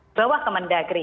di bawah kemendagri